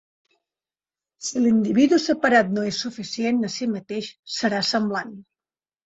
Si l'individu separat no és suficient a si mateix, serà semblant.